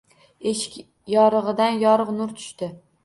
Eshik yorig`idan yorug` nur tushdi